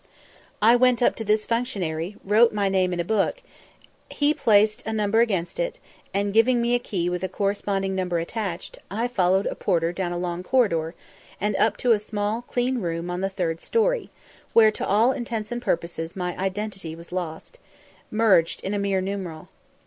I went up to this functionary, wrote my name in a book, he placed a number against it, and, giving me a key with a corresponding number attached, I followed a porter down a long corridor, and up to a small clean room on the third story, where to all intents and purposes my identity was lost merged in a mere numeral.